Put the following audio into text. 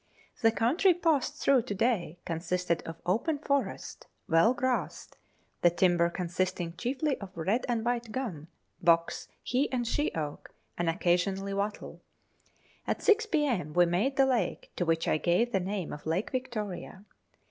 The country passed through to day consisted of open forest, well grassed, the timber consisting chiefly of red and white gum, box, he and she oak, and occasionally wattle. At six p.m. we made the lake, to which I gave the name of Lake Victoria.